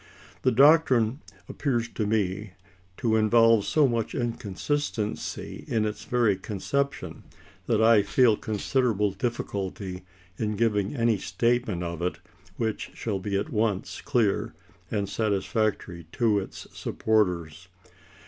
The doctrine appears to me to involve so much inconsistency in its very conception that I feel considerable difficulty in giving any statement of it which shall be at once clear and satisfactory to its supporters.